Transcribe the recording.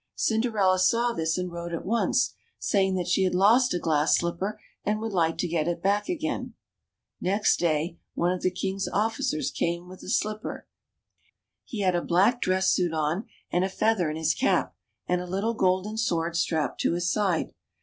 Cinderella saw this, and wrote at once, saying that she had lost a glass slipper and would like to get it back again. Next day, one of the king's officers came with the slipper ; he had a black dress .suit on, and a feather in his cap, and a little golden sword strapped to his side.